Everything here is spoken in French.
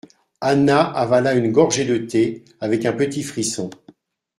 Anna avala une gorgée de thé avec un petit frisson.